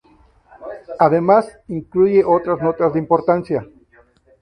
Además, incluye otras notas de importancia.